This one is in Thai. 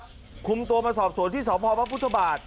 กลัวเผยคุมโตมาสอบส่วนที่ขพพบ